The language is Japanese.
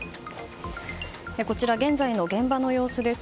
こちら、現在の現場の様子です。